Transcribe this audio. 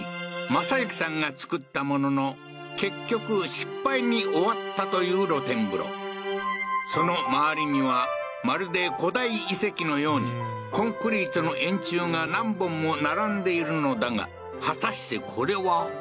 正行さんが造ったものの結局失敗に終わったという露天風呂その周りにはまるで古代遺跡のようにコンクリートの円柱が何本も並んでいるのだが果たしてこれは？